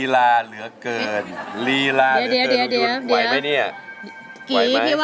รู้สึกขาวไหม